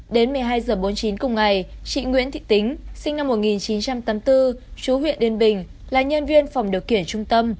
đến một mươi hai h bốn mươi chín cùng ngày chị nguyễn thị tính sinh năm một nghìn chín trăm tám mươi bốn chú huyện yên bình là nhân viên phòng điều kiển trung tâm